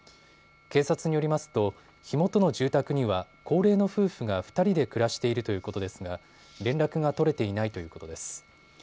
警察によりますと火元の住宅には高齢の夫婦が２人で暮らしているということですが連絡が取れていないということです。